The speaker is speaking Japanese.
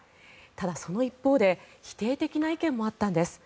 ただ、その一方で否定的な意見もあったんです。